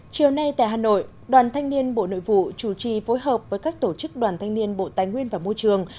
chiều nay tại hà nội đoàn thanh niên bộ nội vụ chủ trì phối hợp với các tổ chức đoàn thanh niên bộ tài nguyên và môi trường